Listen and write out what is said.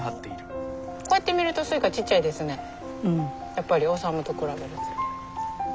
やっぱりオサムと比べると。